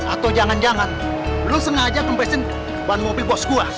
atau jangan jangan lo sengaja kempesin ban ngopi bos gua